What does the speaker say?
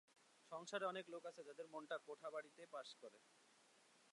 সংসারে অনেক লোক আছে যাদের মনটা কোঠাবাড়িতে বাস করে।